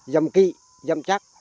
dầm kỵ dầm chắc